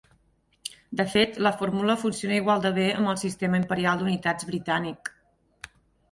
De fet, la fórmula funciona igual de bé amb el sistema imperial d'unitats britànic.